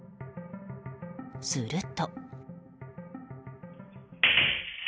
すると。